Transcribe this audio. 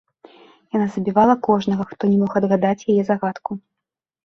Яна забівала кожнага, хто не мог адгадаць яе загадку.